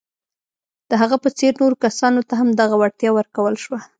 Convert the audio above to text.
د هغه په څېر نورو کسانو ته هم دغه وړتیا ورکول شوه.